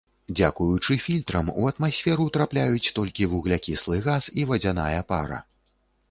Дзякуючы фільтрам у атмасферу трапляюць толькі вуглякіслы газ і вадзяная пара.